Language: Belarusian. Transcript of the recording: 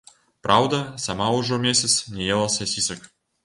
Праўда, сама ўжо месяц не ела сасісак.